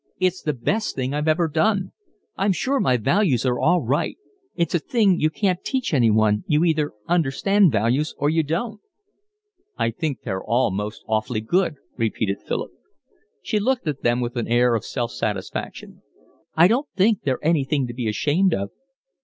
It's the best thing I've ever done. I'm sure my values are all right. That's a thing you can't teach anyone, you either understand values or you don't." "I think they're all most awfully good," repeated Philip. She looked at them with an air of self satisfaction. "I don't think they're anything to be ashamed of."